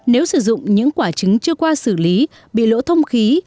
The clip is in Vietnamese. nếu sử dụng những quả trứng chưa qua xử lý bị lỗ thông khí